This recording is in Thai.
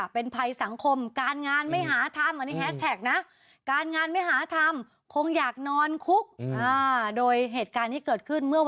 เป็นประโยคย่อนนี้เฉย